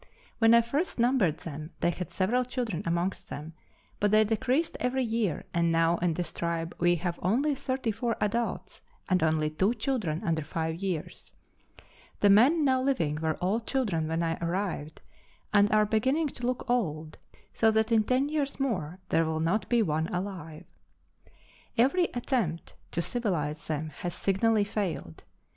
When I first numbered them they had several children amongst them, but they decreased every year, and now in this tribe we have only 34 adults and only two children under five years. The men now living were all children when I arrived, and are beginning to look old, so that in ten years more there will not be one alive. Every attempt to civilize them has signally failed.